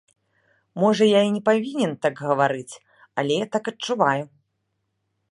Можа, я і не павінен так гаварыць, але я так адчуваю.